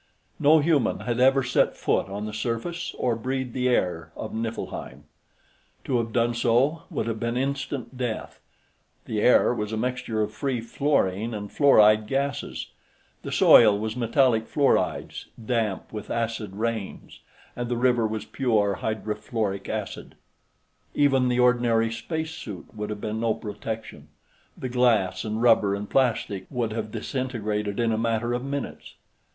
No human had ever set foot on the surface, or breathed the air, of Niflheim. To have done so would have been instant death; the air was a mixture of free fluorine and fluoride gasses, the soil was metallic fluorides, damp with acid rains, and the river was pure hydrofluoric acid. Even the ordinary spacesuit would have been no protection; the glass and rubber and plastic would have disintegrated in a matter of minutes.